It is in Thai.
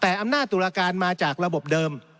แต่อำนาจตุลาการมาจากระบบเดิม